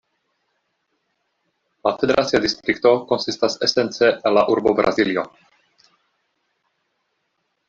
La federacia distrikto konsistas esence el la urbo Braziljo.